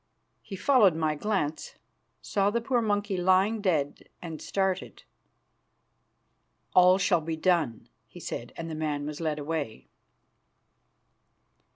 He followed my glance, saw the poor monkey lying dead, and started. "All shall be done," he said, and the man was led away.